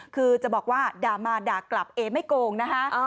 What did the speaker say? คือจะบอกว่าด่ามาด่ากลับเอไม่โกงนะคะ